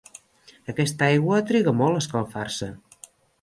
Aquesta aigua triga molt a escalfar-se.